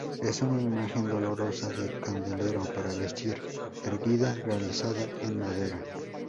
Es una imagen dolorosa de candelero, para vestir, erguida, realizada en madera.